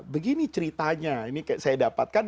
begini ceritanya ini saya dapatkan